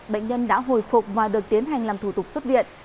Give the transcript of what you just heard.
bệnh nhân đã hồi phục và được tiến hành làm thủ tục xuất viện